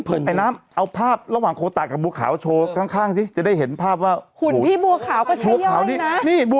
ประจำดึกขนาดนี้ตอดเที่ยวให้เป็นทรงใช่ไหมคิวเนี่ย